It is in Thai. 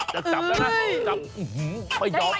จะจับแล้วนะ